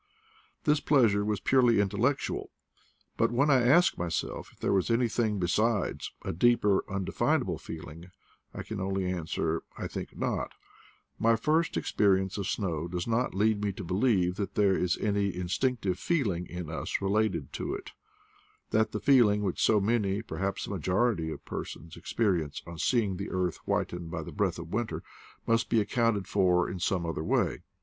This pleasure was purely intellectual; but when I ask myself if there was anything be sides, a deeper, undefinable feeling, I can only answer, I think not: my first experience of snow does not lead me to believe that there is any instinctive feeling in us related to it; that the feeling which so many, perhaps a majority of per sons, experience on seeing the earth whitened by the breath of winter, must be accounted for in some other way.